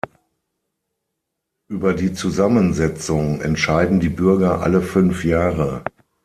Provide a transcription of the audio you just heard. Über die Zusammensetzung entscheiden die Bürger alle fünf Jahre.